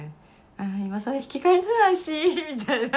今更引き返せないしみたいな。